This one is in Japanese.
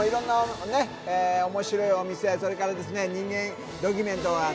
面白いお店、それから人間ドキュメントあり。